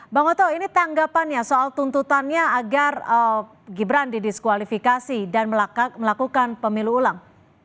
bang oto ini tanggapannya soal tuntutannya agar gibran didiskualifikasi dan melakukan pemilu ulang